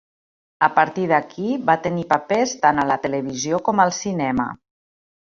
A partir d'aquí, va tenir papers tant a la televisió com al cinema.